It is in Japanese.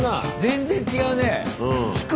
全然違うねえ。